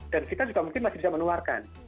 dan kita juga mungkin masih bisa menularkan